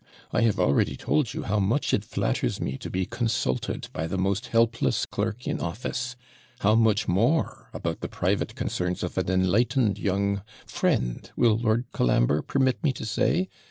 I have already told you how much it flatters me to be consulted by the most helpless clerk in office; how much more about the private concerns of an enlightened young friend, will Lord Colambre permit me to say?